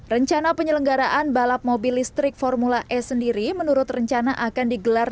rencana penyelenggaraan balap mobil listrik formula e sendiri menurut rencana akan digelar